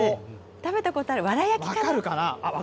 食べたことある、わら焼きかな？